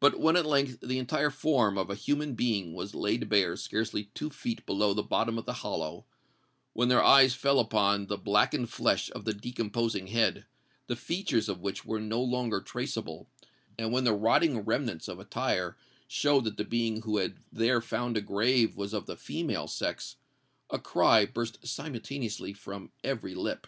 But when at length the entire form of a human being was laid bare scarcely two feet below the bottom of the hollow,—when their eyes fell upon the blackened flesh of the decomposing head, the features of which were no longer traceable,—and when the rotting remnants of attire showed that the being who had there found a grave was of the female sex, a cry burst simultaneously from every lip.